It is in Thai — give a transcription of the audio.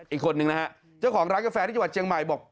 อีกคนนึงนะฮะเจ้าของร้านกาแฟที่จังหวัดเชียงใหม่บอก